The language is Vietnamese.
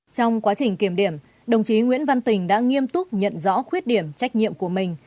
trong quá trình kiểm điểm đồng chí nguyễn văn tình đã nghiêm túc nhận rõ khuyết điểm trách nhiệm của mình